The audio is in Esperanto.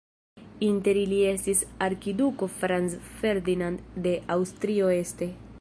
Inter ili estis arkiduko Franz Ferdinand de Aŭstrio-Este.